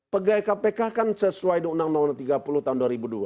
pegawai kpk kan sesuai dengan undang undang tiga puluh tahun dua ribu dua